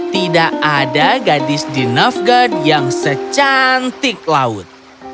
tidak ada gadis di novegat yang secantik laut